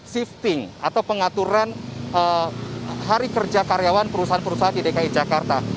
shifting atau pengaturan hari kerja karyawan perusahaan perusahaan di dki jakarta